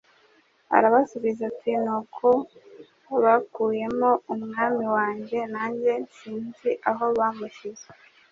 arabasubiza ati: «ni uko bakuyemo Umwami wanjye nanjye sinzi aho bamushyize. "